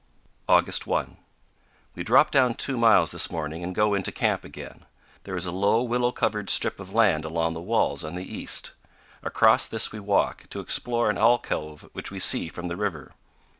August 1. We drop down two miles this morning and go into camp again. There is a low, willow covered strip of land along the walls on the east. Across this we walk, to explore an alcove which we see from the river.